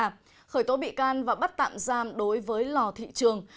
trần xuân yến đã bị can khởi tố bị can và bắt tạm giam đối với lò thị trường